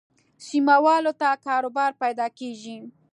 سیمه والو ته کاروبار پیدا کېږي.